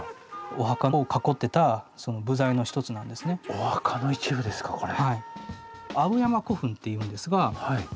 お墓の一部ですかこれ。